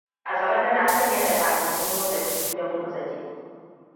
Asabe tana sanye da takalmin motsa jiki don motsa jiki.